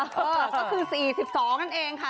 ก็คือ๔๒นั่นเองค่ะ